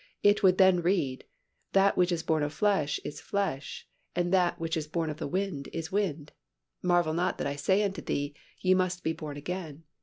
It would then read, "That which is born of the flesh is flesh and that which is born of the 'Wind' is wind. Marvel not that I said unto thee, Ye must be born again.